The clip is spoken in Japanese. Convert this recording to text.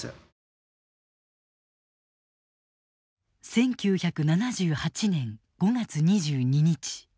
１９７８年５月２２日。